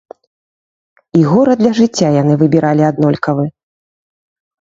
І горад для жыцця яны выбіралі аднолькавы.